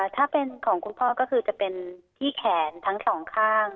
ถ้าเป็นของคุณพ่อก็คือจะเป็นที่แขนทั้งสองข้าง